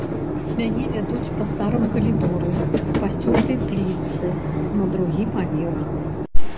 Мяне вядуць па старым калідоры, па сцёртай плітцы на другі паверх.